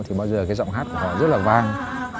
thì bao giờ cái giọng hát của họ rất là vang